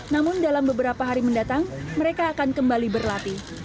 namun dalam beberapa hari mendatang mereka akan kembali berlatih